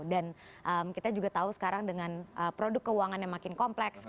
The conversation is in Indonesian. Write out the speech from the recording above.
dan kita juga tahu sekarang dengan produk keuangan yang makin kompleks